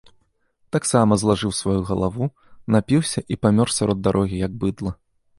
Таксама злажыў сваю галаву, напіўся і памёр сярод дарогі, як быдла.